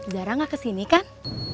jarang nggak kesini kan